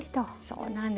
そうなんです。